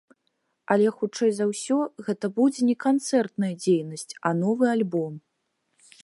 Але, хутчэй за ўсё, гэта будзе не канцэртная дзейнасць, а новы альбом.